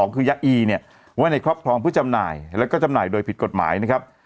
คือยาอีเนี่ยไว้ในครอบครองเพื่อจำหน่ายแล้วก็จำหน่ายโดยผิดกฎหมายนะครับ